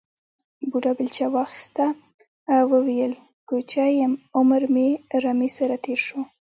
بوډا بېلچه واخیسته او وویل کوچی یم عمر مې رمې سره تېر شو.